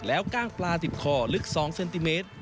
แล้วกล้างปลาติดคอลึก๒เซนติเมตร